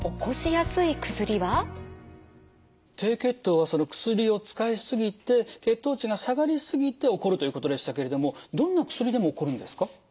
低血糖はその薬を使い過ぎて血糖値が下がり過ぎて起こるということでしたけれどもどんな薬でも起こるんですか？